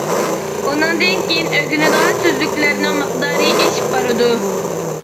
ئۇنىڭدىن كېيىن ئۆگىنىدىغان سۆزلۈكلەرنىڭ مىقدارى ئېشىپ بارىدۇ.